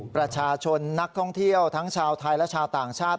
ประชาชนนักท่องเที่ยวทั้งชาวไทยและชาวต่างชาติ